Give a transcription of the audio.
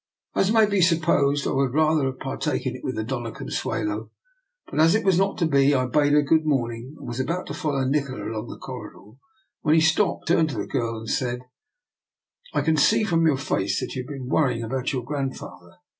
As may be supposed, I would rather have partaken of it with the Dona Consuelo; but as it was not to be, I bade her good morning, and was about to follow Nikola along the cor ridor, when he stopped, and, turning to the girl, said: —" I can see from your face that you have been worrying about your grandfather.